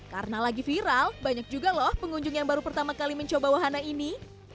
karena lagi viral banyak juga loh pengunjung yang baru pertama kali mencoba wahana ini